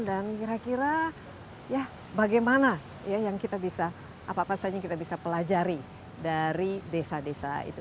dan kira kira ya bagaimana ya yang kita bisa apa apa saja yang kita bisa pelajari dari desa desa itu